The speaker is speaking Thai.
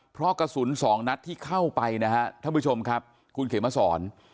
เพราะกระสุนสองนัดที่เข้าไปนะฮะท่านผู้ชมครับคุณเขมสอน